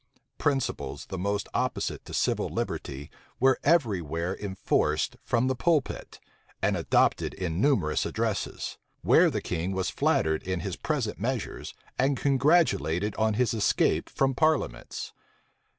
Principles the most opposite to civil liberty were every where enforced from the pulpit, and adopted in numerous addresses; where the king was flattered in his present measures, and congratulated on his escape from parliaments.